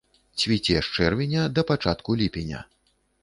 Цвіце з чэрвеня да пачатку ліпеня.